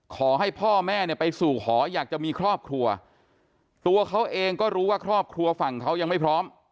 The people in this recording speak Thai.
ขอให้พ่อแม่เนี่ยไปสู่หออยากจะมีครอบครัวตัวเขาเองก็รู้ว่าครอบครัวฝั่งเขายังไม่พร้อม